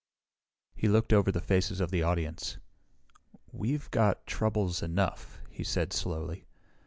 He looked over the faces of the audience. "We've got troubles enough," he said slowly.